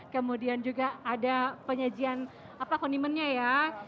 kemudian juga ada penyajian honimennya ya